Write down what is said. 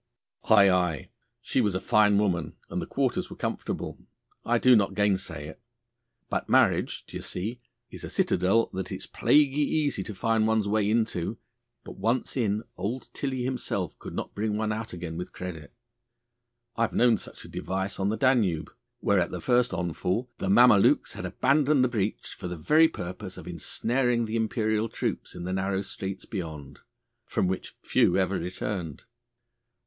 'Aye, aye. She was a fine woman, and the quarters were comfortable. I do not gainsay it. But marriage, d'ye see, is a citadel that it is plaguy easy to find one's way into, but once in old Tilly himself could not bring one out again with credit, I have known such a device on the Danube, where at the first onfall the Mamelukes have abandoned the breach for the very purpose of ensnaring the Imperial troops in the narrow streets beyond, from which few ever returned.